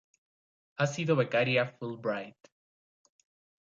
Ha sido becaria Fulbright.